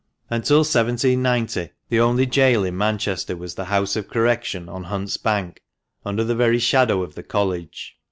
— Until 1790 the only gaol in Manchester was the House or Correction on Hunt's Bank, under the very shadow ot the College.